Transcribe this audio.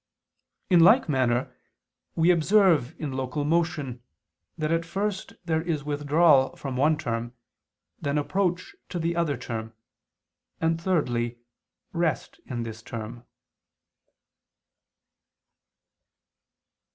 In like manner we observe in local motion that at first there is withdrawal from one term, then approach to the other term, and thirdly, rest in this term.